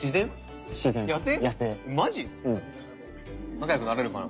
仲良くなれるかな？